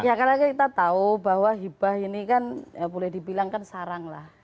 ya karena kita tahu bahwa hibah ini kan boleh dibilang kan sarang lah